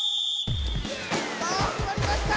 さあはじまりました！